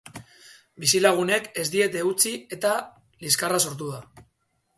Bizilagunek ez diete utzi eta liskarra sortu da.